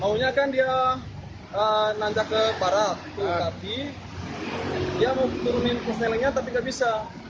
maunya kan dia menanjak ke barat tapi dia mau turunin ke selenya tapi nggak bisa